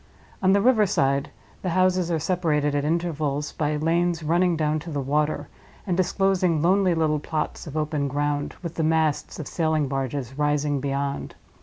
On the river side the houses are separated at intervals by lanes running down to the water, and disclosing lonely little plots of open ground, with the masts of sailing barges rising beyond.